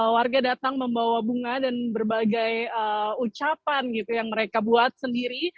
warga datang membawa bunga dan berbagai ucapan gitu yang mereka buat sendiri